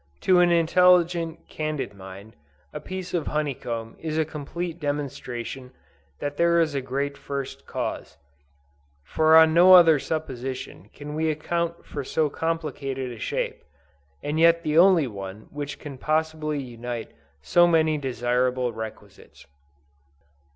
To an intelligent, candid mind, a piece of honey comb is a complete demonstration that there is a "GREAT FIRST CAUSE:" for on no other supposition can we account for so complicated a shape, and yet the only one which can possibly unite so many desirable requisites.